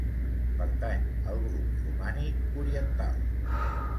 Pertany al grup romànic oriental.